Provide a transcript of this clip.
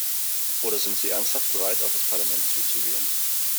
Oder sind Sie ernsthaft bereit, auf das Parlament zuzugehen?